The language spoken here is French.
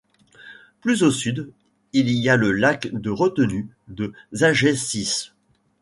Plus au sud, il y a le lac de retenue de Zaječice.